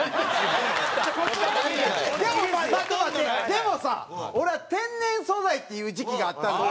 でもさ俺は天然素材っていう時期があったのよ。